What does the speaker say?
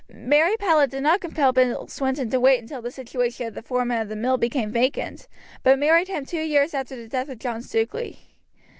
Mary Powlett did not compel Bill Swinton to wait until the situation of foreman of the mill became vacant, but married him two years after the death of John Stukeley.